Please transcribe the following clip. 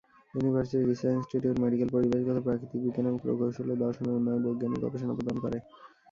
University research institute medical, পরিবেশগত, প্রাকৃতিক বিজ্ঞান এবং প্রকৌশল ও দর্শনের উন্নয়নে বৈজ্ঞানিক গবেষণা প্রদান করে।